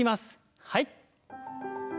はい。